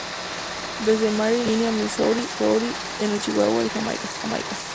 Desde Maryland, Virginia, Missouri, en el suroeste de Chihuahua, y Jamaica.